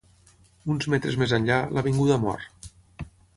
Uns metres més enllà, l'avinguda mor.